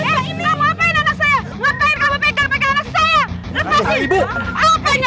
ya ampun apaan ini